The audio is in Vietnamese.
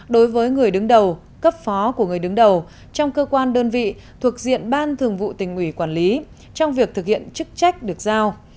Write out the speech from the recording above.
đối với người đứng đầu cấp phó của người đứng đầu trong cơ quan đơn vị thuộc diện ban thường vụ tỉnh ủy quản lý trong việc thực hiện chức trách được giao